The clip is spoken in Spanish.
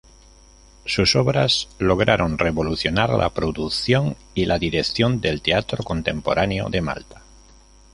Sus obras lograron revolucionar la producción y la dirección del teatro contemporáneo de Malta.